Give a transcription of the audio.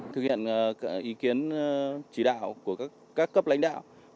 thực hiện ý kiến chỉ đạo của các cấp lãnh đạo